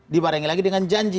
dibareng lagi dengan janji